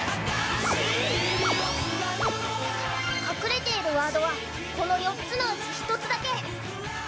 隠れているワードはこの４つのうち１つだけ。